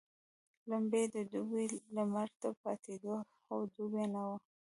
لمبې يې د دوبي لمر ته پاتېدې خو دوبی نه وو.